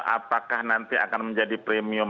apakah nanti akan menjadi premium